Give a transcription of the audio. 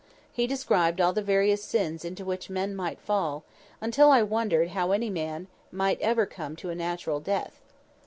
He described all the various sins into which men might fall, until I wondered how any man ever came to a natural death.